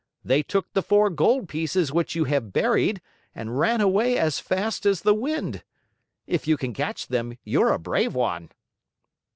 They took the four gold pieces which you have buried and ran away as fast as the wind. If you can catch them, you're a brave one!"